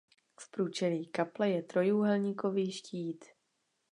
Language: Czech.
V průčelí kaple je trojúhelníkový štít.